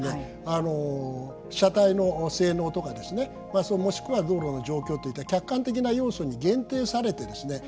あの車体の性能とかですねもしくは道路の状況といった客観的な要素に限定されてですね